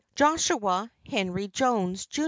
Joshua Henry Jones, Jr.